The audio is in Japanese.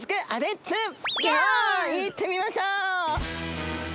行ってみましょう！